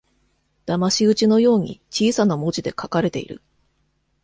だまし討ちのように小さな文字で書かれている